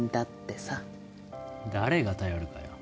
誰が頼るかよ。